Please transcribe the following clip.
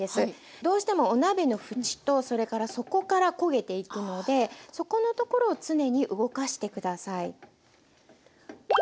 どうしてもお鍋の縁とそれから底から焦げていくので底のところを常に動かして下さい。